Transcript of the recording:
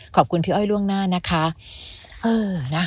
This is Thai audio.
ขอบคุณพี่อ้อยล่วงหน้านะคะ